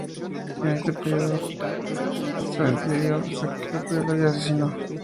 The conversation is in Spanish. En este período la tropa aliada incendió, saqueó, violó y asesinó.